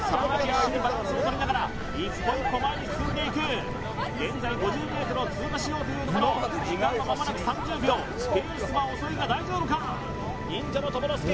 必死にバランスをとりながら一歩一歩前に進んでいく現在５０ｍを通過しようというところ時間はまもなく３０秒ペースは遅いが大丈夫か忍者の知之助